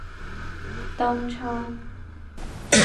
當初，